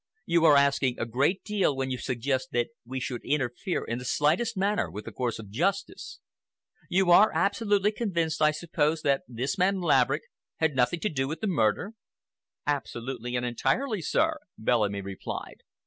"You are asking a great deal when you suggest that we should interfere in the slightest manner with the course of justice. You are absolutely convinced, I suppose, that this man Laverick had nothing to do with the murder?" "Absolutely and entirely, sir," Bellamy replied.